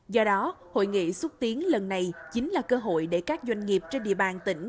do đó hội nghị xúc tiến lần này chính là cơ hội để các doanh nghiệp trên địa bàn tỉnh